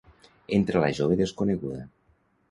Entra la jove desconeguda.